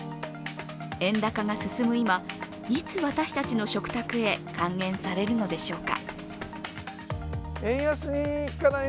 円高が進む今、いつ私たちの食卓へ還元されるのでしょうか？